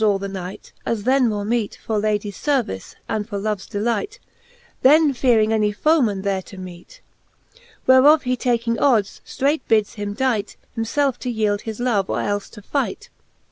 Unarm'd all was the knight, as then more meete For Ladies ler^icc, and for loves delight, Then fearing any foeman there to meete: Whereof he taking oddes, ftreight bids him dight Himfelfe to yeeld his love, or el{e to fight.